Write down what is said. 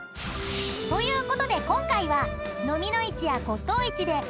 ［ということで今回は］